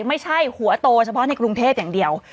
ไม่ใช่หัวโตเฉพาะในกรุงเทพอย่างเดียว